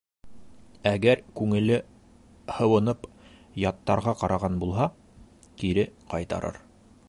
Әгәр күңеле һыуынып, яттарға ҡараған булһа, кире ҡайтарыр.